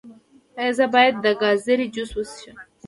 ایا زه باید د ګازرې جوس وڅښم؟